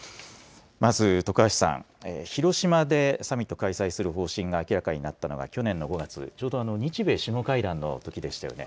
まず徳橋さん、広島でサミット開催する方針が明らかになったのが去年の５月、ちょうど日米首脳会談のときでしたよね。